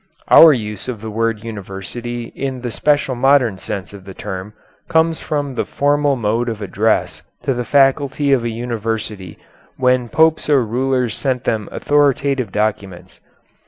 Our use of the word university in the special modern sense of the term comes from the formal mode of address to the faculty of a university when Popes or rulers sent them authoritative documents.